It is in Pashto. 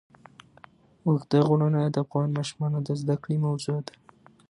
اوږده غرونه د افغان ماشومانو د زده کړې موضوع ده.